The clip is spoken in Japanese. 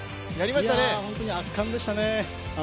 本当に圧巻でしたね。